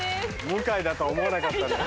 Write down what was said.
向井だとは思わなかったね。